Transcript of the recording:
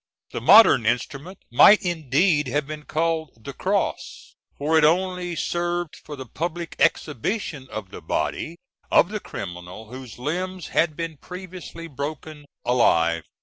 The modern instrument might indeed have been called the cross, for it only served for the public exhibition of the body of the criminal whose limbs had been previously broken alive.